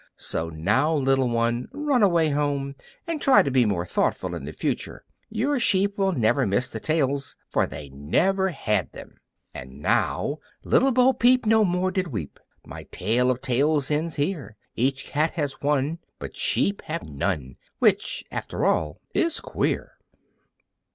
So now, little one, run away home, and try to be more thoughtful in the future. Your sheep will never miss the tails, for they have never had them." And now Little Bo Peep no more did weep; My tale of tails ends here. Each cat has one, But sheep have none; Which, after all, is queer!